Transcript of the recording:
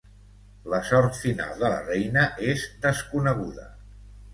La sort final de la reina és desconeguda.